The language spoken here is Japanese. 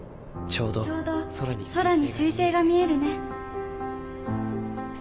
ちょうど空に彗星が見えるね。